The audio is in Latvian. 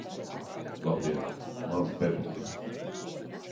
Labdien mans bebulis